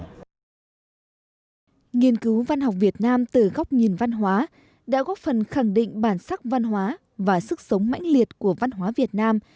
nghiên cứu văn học việt nam từ góc nhìn văn hóa đã góp phần khẳng định bản sắc văn hóa và sức sống mãnh liệt của văn hóa việt nam